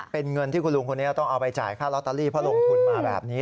เป็นเงินที่คุณลุงคนนี้ต้องเอาไปจ่ายค่าลอตเตอรี่เพราะลงทุนมาแบบนี้